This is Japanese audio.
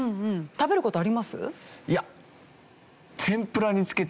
食べる事あります？